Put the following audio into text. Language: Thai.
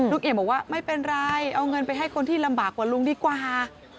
เอี่ยมบอกว่าไม่เป็นไรเอาเงินไปให้คนที่ลำบากกว่าลุงดีกว่า